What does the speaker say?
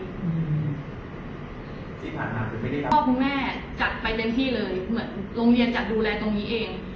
ก็พ่อคุณแม่ก็จัดไปเต็มที่เลยลงเยนจัดดูแลตรงนี้เอง